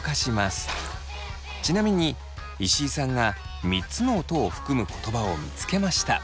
ちなみに石井さんが３つの音を含む言葉を見つけました。